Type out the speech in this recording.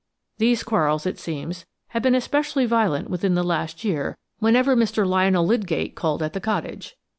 These quarrels, it seems, had been especially violent within the last year whenever Mr. Lionel Lydgate called at the cottage.